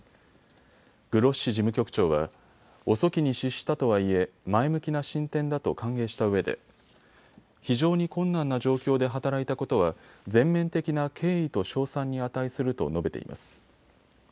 グロッシ事務局長は遅きに失したとはいえ前向きな進展だと歓迎したうえで非常に困難な状況で働いたことは全面的な敬意と称賛に値すると述べています。